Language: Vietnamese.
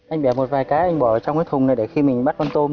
anh bẻ một vài cái anh bỏ trong cái thùng này để khi mình bắt con tôm